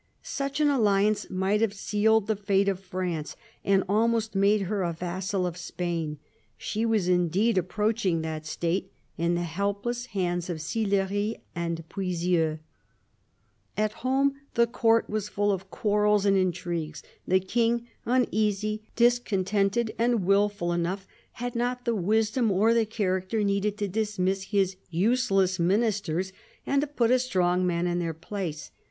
Such an alliance might have sealed the fate of France and almost made her a vassal of Spain; she was indeed approaching that state, in the helpless hands of Sillery and Puisieux. At home the Court was full of quarrels and intrigues : the King, uneasy, discontented, and wilful enough, had not the wisdom or the character needed to dismiss his useless Ministers and to put a strong man in their place.